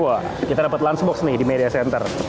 wah kita dapat lunchbox nih di media center